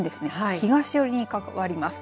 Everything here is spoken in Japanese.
東寄りに変わります。